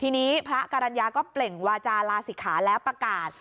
ทีนี้พระกรรณญาก็เปล่งวาจาลาศิกขาแล้วประกาศ